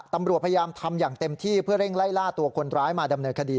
ตำรวจพยายามทำอย่างเต็มที่เพื่อเร่งไล่ล่าตัวคนร้ายมาดำเนินคดี